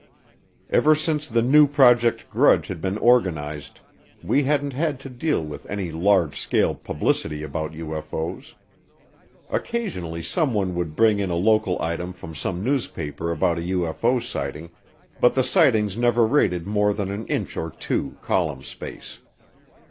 Ever since the new Project Grudge had been organized, we hadn't had to deal with any large scale publicity about UFO's. Occasionally someone would bring in a local item from some newspaper about a UFO sighting, but the sightings never rated more than an inch or two column space.